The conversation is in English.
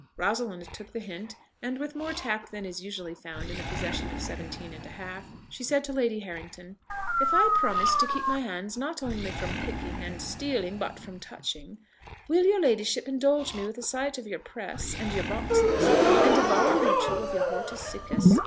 Rosalind took the hint, and with more tact than is usually found in the possession of seventeen and a half, she said to Lady Harrington, "If I promise to keep my hands not only from picking and stealing, but from touching, will your ladyship indulge me with a sight of your press, and your boxes, and a volume or two of your hortus siccus?